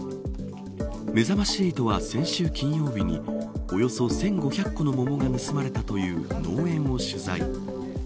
めざまし８は先週金曜日におよそ１５００個の桃が盗まれたという農園を取材。